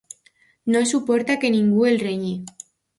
No suporta que ningú el renyi.